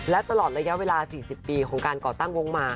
และตลอดระยะเวลา๔๐ปีของการก่อตั้งวงมา